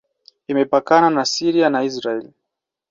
Imepakana na Syria na Israel.